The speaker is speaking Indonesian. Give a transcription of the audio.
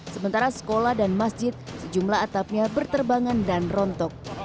sementara sekolah dan masjid sejumlah atapnya berterbangan dan rontok